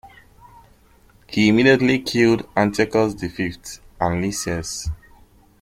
He immediately killed Antiochus the Fifth and Lysias.